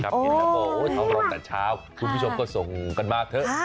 เดินไปเผาลองจากเช้าคุณผู้ชมก็ส่งกันมาเถอะ